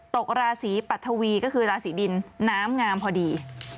ตกราศีปัทวีก็คือราศีดินน้ำงามพอดี